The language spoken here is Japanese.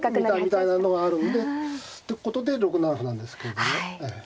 みたいなのがあるんでってことで６七歩なんですけどね。